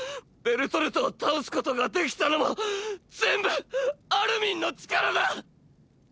ベルトルトを倒すことができたのも全部アルミンの力だ！！